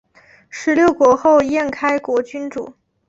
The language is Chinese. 十六国后燕开国君主。